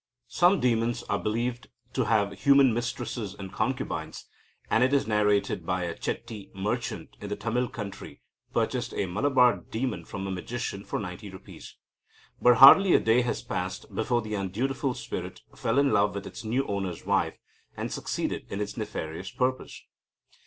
Some demons are believed to have human mistresses and concubines, and it is narrated that a Chetti (merchant) in the Tamil country purchased a Malabar demon from a magician for ninety rupees. But hardly a day had passed before the undutiful spirit fell in love with its new owner's wife, and succeeded in its nefarious purpose.